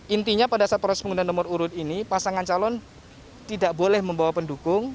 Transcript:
intinya pada saat proses pengundian nomor urut ini pasangan calon tidak boleh membawa pendukung